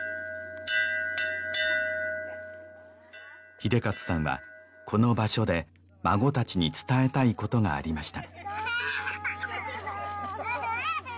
英捷さんはこの場所で孫達に伝えたいことがありました・